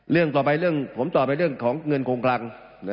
เรื่องต่อไปเรื่องผมต่อไปเรื่องของเงินโครงคลัง